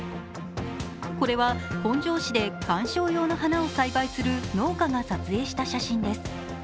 これは本庄市で観賞用の花を栽培する農家が撮影した写真です。